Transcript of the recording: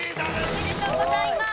おめでとうございます。